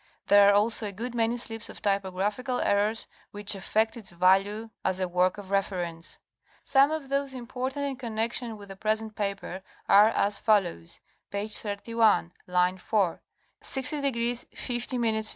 There are also a good many slips or typographical errors, which affect its value as a work of reference. Some of those important in connection —_ with the present paper are as follows: page 31, line 4, '' 60° 50' N."